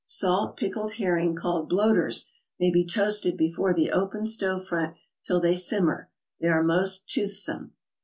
Salt pickled herring called bloaters may be toasted before the open stove front till they simmer; they are most toothsome.